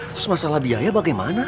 terus masalah biaya bagaimana